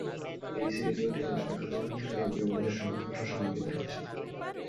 BBC radio এবং টেলিভিশনে কাজ করার পাশাপাশি পৃথিবীর বিভিন্ন দেশের সংবাদপত্র ও সাময়িকীতে লিখেছেন তিনি।